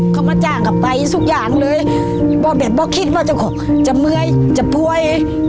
เค้ามาจ้างกับไปทุกอย่างเลยพ่อแบบพ่อคิดว่าจะเมื่อยจะพวย